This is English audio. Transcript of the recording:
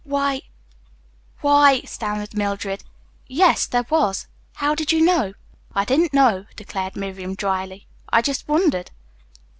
"Why why," stammered Mildred. "Yes, there was. How did you know?" "I didn't know," declared Miriam dryly. "I just wondered."